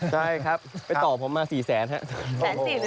ใช่ครับไปต่อผมมา๔๐๐๐๐นะ